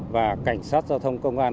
và cảnh sát giao thông công an